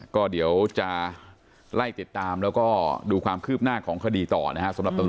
ก็เดี๋ยวจะไล่ติดตามแล้วก็ดูความคืบหน้าของคดีต่อนะครับ